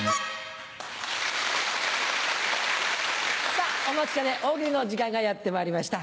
さぁお待ちかね大喜利の時間がやってまいりました。